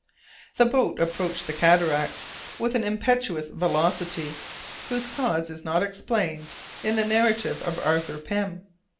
The boat approached the cataract with an impetuous velocity whose cause is not explained in the narrative of Arthur Pym.